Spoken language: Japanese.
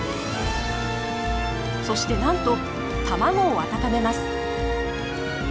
そしてなんと卵を温めます。